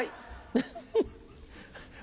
フフ。